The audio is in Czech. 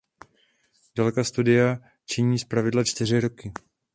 Délka studia činí zpravidla čtyři roky.